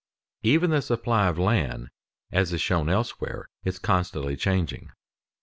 Even the supply of land, as is shown elsewhere, is constantly changing.